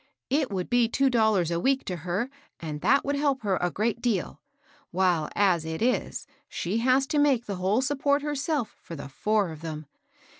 It would be two dollars a week to her, and that would help her a great deal ; while, as it is, she has to make the whole support herself for the four of them.